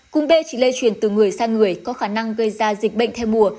cúm b chỉ lây truyền từ người sang người có khả năng gây ra dịch bệnh theo mùa